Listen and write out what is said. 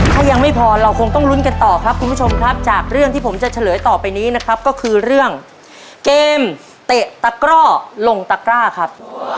ถ้ายังไม่พอเราคงต้องลุ้นกันต่อครับคุณผู้ชมครับจากเรื่องที่ผมจะเฉลยต่อไปนี้นะครับก็คือเรื่องเกมเตะตะกร่อลงตะกร้าครับ